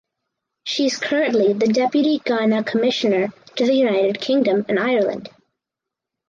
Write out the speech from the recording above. She is currently the deputy Ghana commissioner to the United Kingdom and Ireland.